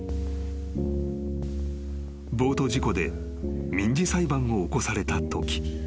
［ボート事故で民事裁判を起こされたとき］